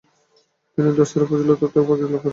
তিনি দস্তারে ফজিলত তথা পাগড়ী লাভ করেন।